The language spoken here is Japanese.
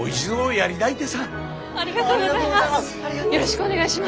ありがとうございます！